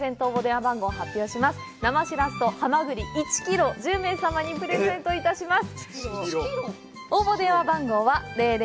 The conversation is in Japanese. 生シラスとハマグリ１キロを１０名様にプレゼントいたします。